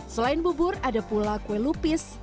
selain bubur ada pula kue lupis